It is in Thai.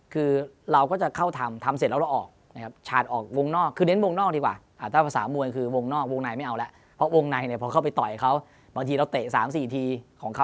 คือเราก็จะเข้าทำทำเสร็จแล้วเราออก